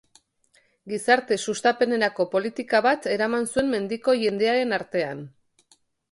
Gizarte-sustapenerako politika bat eraman zuen mendiko jendearen artean.